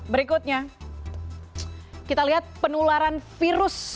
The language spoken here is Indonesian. berikutnya kita lihat penularan virus